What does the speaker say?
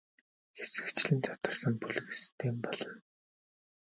Хэсэгчлэн задарсан бүлэг систем болно.